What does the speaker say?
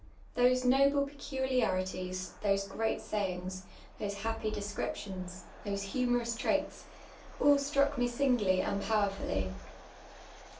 Those noble peculiarities, those great sayings, those happy descriptions, those humorous traits — all struck me singly and powerfully.